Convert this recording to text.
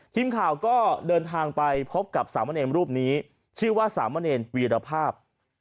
ทีมข่าวก็เดินทางไปพบกับสามะเนรรูปนี้ชื่อว่าสามเณรวีรภาพ